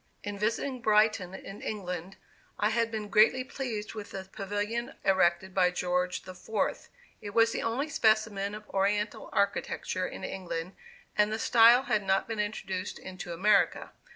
In visiting Brighton, in England, I had been greatly pleased with the Pavilion erected by George IV. It was the only specimen of Oriental architecture in England, and the style had not been introduced into America.